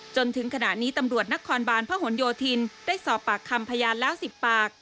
จนถึงขณะนี้ตำรวจนครบาลพระหลโยธินได้สอบปากคำพยานแล้ว๑๐ปาก